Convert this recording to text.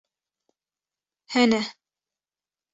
Hene